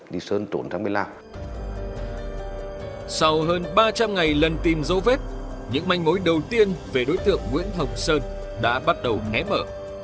đối đầu tiên về đối tượng nguyễn hồng sơn đã bắt đầu né mở